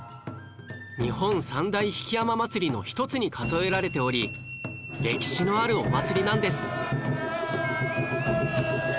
日本三大曳山祭の一つに数えられており歴史のあるお祭りなんです